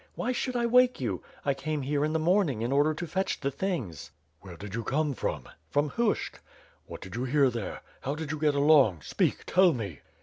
"Why should I wake you? I came here in the morning, in order to fetch the things." "Where did you come from?" "From Hushck." "What did you hear there? How did you get along? Speak! Tell me!"